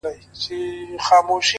پرده به خود نو _ گناه خوره سي _